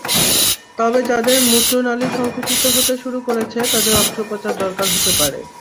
তবে যাঁদের মূত্রনািল সংকুচিত হতে শুরু করেছে তাঁদের অস্ত্রোপচার দরকার হতে পারে।